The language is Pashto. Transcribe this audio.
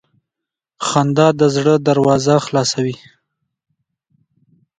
• خندا د زړه دروازه خلاصوي.